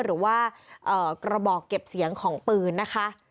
หรือว่ากระบอกเก็บเสียงของปืนนะคะ